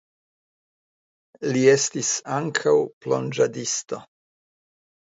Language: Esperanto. Li estis ankaŭ plonĝadisto.